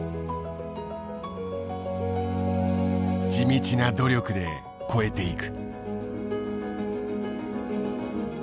地道な努力で越えていく。